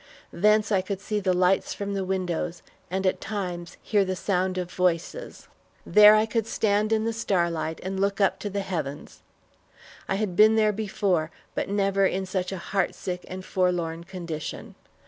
Thence, I could see the lights from the windows, and at times hear the sound of voices. There, I could stand in the starlight and look up to the heavens. I had been there before, but never in such a heartsick and forlorn condition.